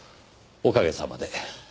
おかげさまで。